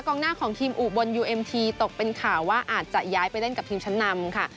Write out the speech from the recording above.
หน้าของทีมอุบลยูเอ็มทีตกเป็นข่าวว่าอาจจะย้ายไปเล่นกับทีมชั้นนำค่ะ